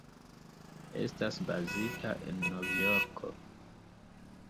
Estas bazita en Novjorko.